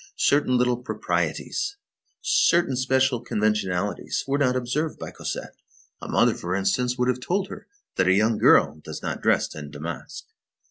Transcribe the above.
Certain little proprieties, certain special conventionalities, were not observed by Cosette. A mother, for instance, would have told her that a young girl does not dress in damask.